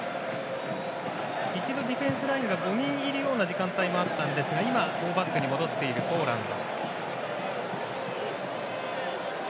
一度ディフェンスラインが５人いるような時間帯もあったんですが今は４バックに戻っているポーランド。